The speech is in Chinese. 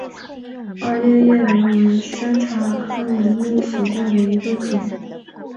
二列叶柃为山茶科柃木属下的一个种。